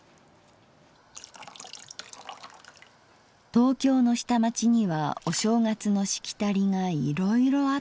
「東京の下町にはお正月のしきたりがいろいろあった。